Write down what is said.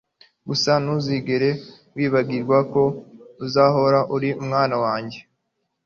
gusa ntuzigera wibagirwa ko uzahora uri umwana wanjye